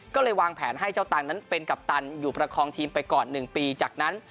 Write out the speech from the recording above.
ก็เลยวางแผนให้เจ้าตังค์นั้นเป็นกัปตันอยู่ประคองทีมไปก่อน๑ปีจากนั้น